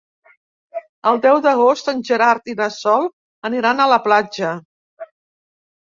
El deu d'agost en Gerard i na Sol aniran a la platja.